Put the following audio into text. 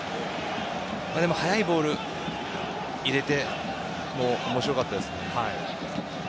でも速いボールを入れても面白かったですよね。